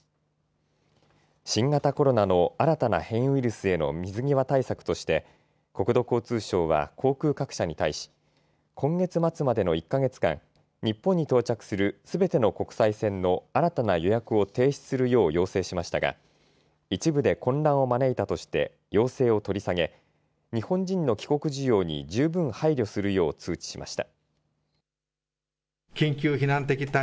新型コロナの新たな変異ウイルスへの水際対策として国土交通省は航空各社に対し今月末までの１か月間、日本に到着するすべての国際線の新たな予約を停止するよう要請しましたが一部で混乱を招いたとして要請を取り下げ日本人の帰国需要に十分配慮するよう通知しました。